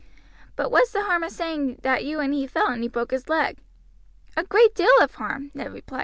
"But what's the harm of saying that you and he fell, and he broke his leg?" "A great deal of harm," Ned replied.